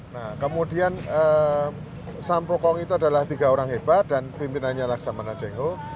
nah kemudian sampokong itu adalah tiga orang hebat dan pimpinannya laksamana cengho